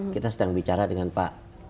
kita sedang bicara dengan pak